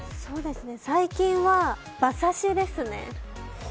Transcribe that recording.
最近は馬刺しですね。